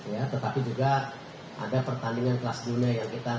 ya tetapi juga ada pertandingan kelas dunia